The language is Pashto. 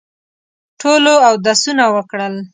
ټولو اودسونه وکړل.